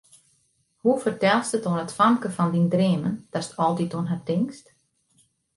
Hoe fertelst it oan it famke fan dyn dreamen, datst altyd oan har tinkst?